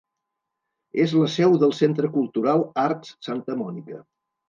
És la seu del centre cultural Arts Santa Mònica.